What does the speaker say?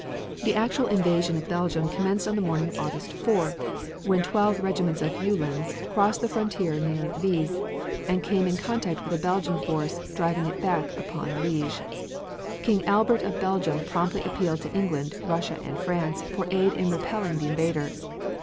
The actual invasion of Belgium commenced on the morning of August 4th, when twelve regiments of Uhlans crossed the frontier near Vise, and came in contact with a Belgian force driving it back upon Liege. King Albert of Belgium promptly appealed to England, Russia and France for aid in repelling the invader.